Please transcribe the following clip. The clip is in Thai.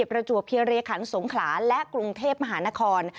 ประจ๋วเพราะเลขรรค์สงขราและกรุงเทพย์มหานคร